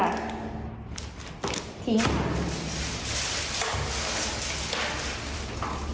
ทิ้งค่ะ